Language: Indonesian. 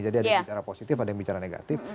ada yang bicara positif ada yang bicara negatif